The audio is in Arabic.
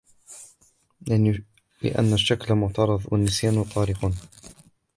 لِأَنَّ الشَّكْلَ مُعْتَرِضٌ وَالنِّسْيَانَ طَارِقٌ